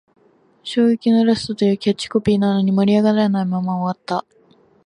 衝撃のラストというキャッチコピーなのに、盛り上がらないまま終わった